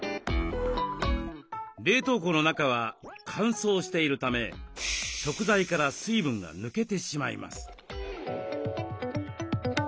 冷凍庫の中は乾燥しているため食材から水分が抜けてしまいます。